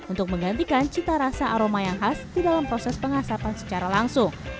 untuk menggantikan cita rasa aroma yang khas di dalam proses pengasapan secara langsung